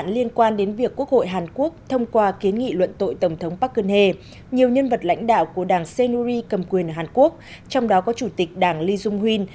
liên quan đến việc quốc hội hàn quốc thông qua kiến nghị luận tội tổng thống park geun hye nhiều nhân vật lãnh đạo của đảng saenuri cầm quyền hàn quốc trong đó có chủ tịch đảng lee jong un